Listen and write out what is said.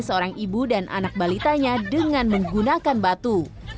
seorang ibu dan anak balitanya dengan menggunakan batu